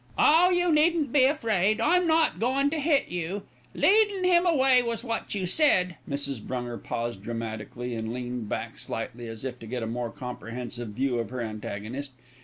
"Oh! you needn't be afraid. I'm not goin' to hit you. Leadin' him away was what you said." Mrs. Brunger paused dramatically, and leaned back slightly, as if to get a more comprehensive view of her antagonist.